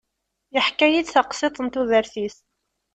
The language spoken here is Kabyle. Yeḥka-yi-d taqsiṭ n tudert-is.